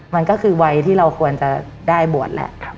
มันก็คือวัยที่เราควรจะได้บวชแหละ